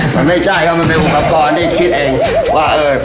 มันไม่ใช่ครับมันเป็นอุปกรณ์ที่คิดเองว่าเออ